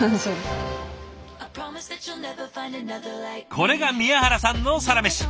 これが宮原さんのサラメシ。